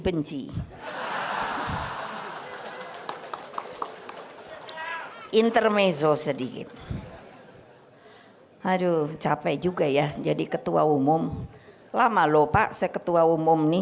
benci intermezzo sedikit hai haduh cape juga ya jadi ketua umum lama loh pak saya ketua umum nih